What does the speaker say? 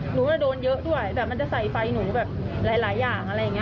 หนูจะโดนเยอะด้วยมันจะใส่ไฟหนูหลายอย่าง